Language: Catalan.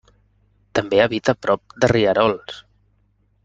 També habita prop de rierols.